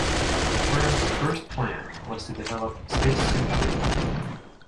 The firm's first plan was to develop spacesuit kit.